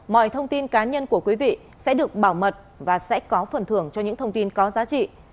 mọi thông tin cá nhân của quý vị sẽ được bảo mật và sẽ có phần thưởng cho những thông tin có giá trị